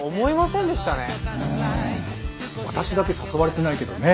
うん私だけ誘われてないけどね。